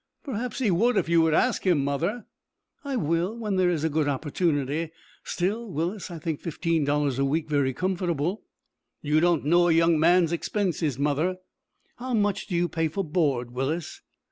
"Perhaps he would if you would ask him, mother." "I will when there is a good opportunity. Still, Willis, I think fifteen dollars a week very comfortable." "You don't know a young man's expenses, mother." "How much do you pay for board, Willis?"